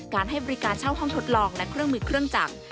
ให้บริการเช่าห้องทดลองและเครื่องมือเครื่องจักร